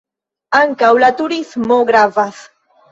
Ankaŭ la turismo gravas.